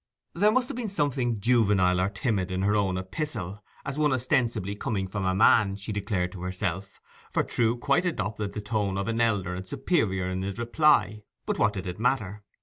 There must have been something juvenile or timid in her own epistle, as one ostensibly coming from a man, she declared to herself; for Trewe quite adopted the tone of an elder and superior in this reply. But what did it matter?